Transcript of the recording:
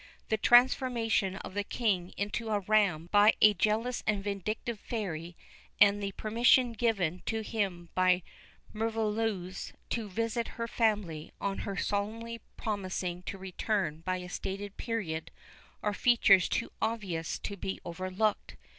The transformation of the King into a ram by a jealous and vindictive fairy, and the permission given by him to Merveilleuse to visit her family, on her solemnly promising to return by a stated period, are features too obvious to be overlooked.